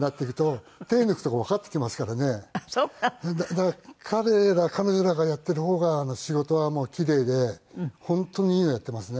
だから彼ら彼女らがやっている方が仕事はもう奇麗で本当にいいのやっていますね。